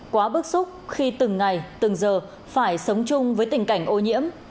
quá bức xúc khi từng ngày từng giờ phải sống chung với tình cảnh ô nhiễm